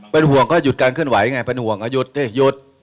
เป็นห่วงก็หยุดการเคลื่อนไหวไงหยุดเฮ้ยหยุด